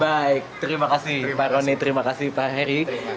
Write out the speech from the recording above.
baik terima kasih pak roni terima kasih pak heri